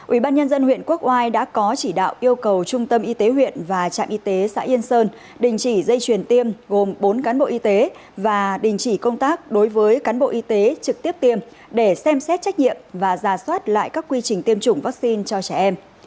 ubnd huyện quốc oai đã có chỉ đạo yêu cầu trung tâm y tế huyện và trạm y tế xã yên sơn đình chỉ dây truyền tiêm gồm bốn cán bộ y tế và đình chỉ công tác đối với cán bộ y tế trực tiếp tiêm để xem xét trách nhiệm và ra soát lại các quy trình tiêm chủng vaccine cho trẻ em